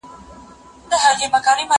زه کولای سم واښه راوړم!؟